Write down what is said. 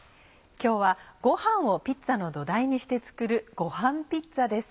今日はごはんをピッツァの土台にして作る「ごはんピッツァ」です。